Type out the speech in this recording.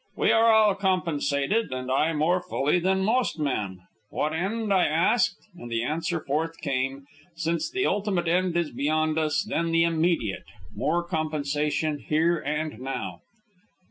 We are all compensated, and I more fully than most men. What end? I asked, and the answer forthcame: Since the ultimate end is beyond us, then the immediate. More compensation, here and now!"